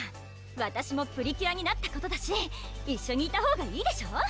わたしもプリキュアになったことだし一緒にいたほうがいいでしょ？